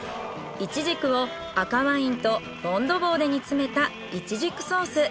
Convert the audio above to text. イチジクを赤ワインとフォンドボーで煮詰めたイチジクソース。